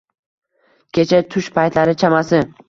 Kecha… tush paytlari chamasi